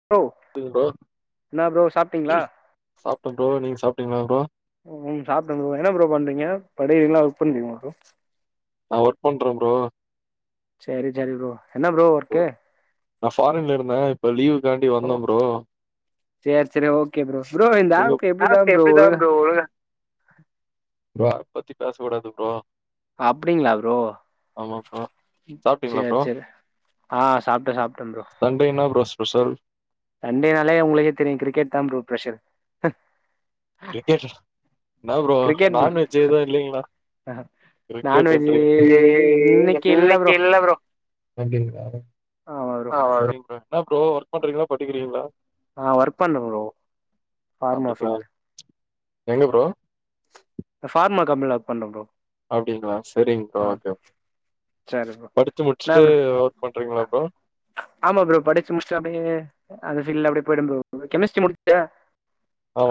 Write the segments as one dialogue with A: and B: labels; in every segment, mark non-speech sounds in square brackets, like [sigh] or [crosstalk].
A: [unintelligible] bro சாப்பிட்டம் bro நீங்க சாப் டிங்களா ப்ரோ
B: ம் சாப்பிட்ட ப்ரோ என்ன ப்ரோ பண்றீங்க படிக்கிரிங்கல்ல வர்க் பண்ணறீங்களா ப்ரோ
A: நா ஒர்க் பண்ற ப்ரோ
B: சேரி சேரி ப்ரோ என்ன ப்ரோ வர்கு
A: நா ஃபாரின்ல இருந்த இப்ப லீவ்வு
B: ஓ சேரி சேரி ஓக்கே ப்ரோ ப்ரோ இந்த ஏப்பு எப்படிதான் ப்ரோ ஒழுங்கா
A: ப்ரோ அதபத்தி பேசக்கூடாது ப்ரோ
B: அப்படிங்களா ப்ரோ ம் சேரி சேரி ஆ சாப்பிட்டே சாப்பிட்டேன் ப்ரோ
A: என்ன ப்ரோ ஸ்பேஷல்
B: சண்டேனாலே உங்குளுக்கே தெரியு கிரிக்கெட் தா ப்ரோ ஸ்பேஷல்
A: கிரிக்கெட்டா என்ன ப்ரோ நான்வெஜ்ஜு ஏது இல்லைங்களா கிரிக்கெட்டுன்றிங்க ஏ இன்னிக்கு இல்ல ப்ரோ அப்பிடிங்களா ஆ சரிங்க ப்ரோ என்ன ப்ரோ ஒர்க் பண்றீங்களா படிக்கிறீங்களா அப்படிங்களா ம்ச் எங்க ப்ரோ
B: நா ஃபார்மா கம்பெனியில வர்க் பண்றே ப்ரோ
A: அப்படிங்களா
B: ஆ சரி ப்ரோ என்ன ப்ரோ ஆமா ப்ரோ படிச்சு முடிச்சிட்டு அப்பிடியே பீல்டுல அப்பிடி போயிட்டன் ப்ரோ கெமிஸ்டிரி முடிச்ச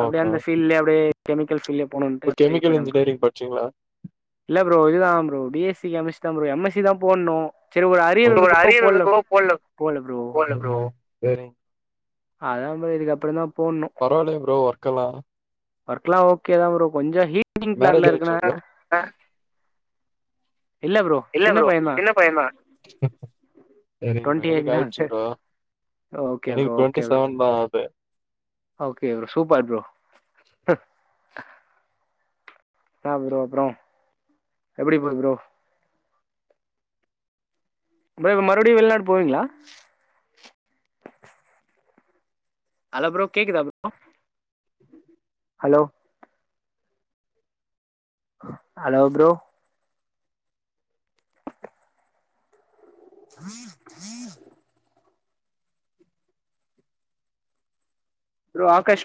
B: அப்படியே அந்த ப்பீல்டுலேயே அப்படியே கெமிக்கல் ஃபில்டுலேயே போனுன்டு அப்பிடியே போயிட்டே ப்ரோ இதுதா பி எஸ் சி கெமிஸ்டிரி தா எம் எஸ் சி தா போட்ணு
A: ஓ இப்ப ஒரு அரியர் வந்ததுக்கப்ரோ போடுல போடுல ப்ரோ சேரிங் சேரிங்
B: அதாம் ப்ரோ இதுக்கு அப்றோந்தா
A: பரவால்லயே ப்ரோ வ ர்கலா
B: வர்க்கலா ஓக்கே தா ப்ரோ கொஞ்சு ஹீ்
A: மேரேஜ் ஆயிடுச்சா ப்ரோ இல்ல ப்ரோ சின்ன பையந்தா செரிங் ப்ரோ எனக்கு ஆய்ச்சி ப்ரோ எனக்கு ட்வெண்டி செவன் தா ஆகுது
B: ஓக்கே ப்ரோ சூப்பர் ப்ரோ என்ன ப்ரோ அப்றோ எப்பிடி போது ப்ரோ ப்ரோ இப்போ மறுபடியு வெளிநாடு போவீங்களா அலோ ப்ரோ கேக்குதா bro hello hello bro bro Akash ப்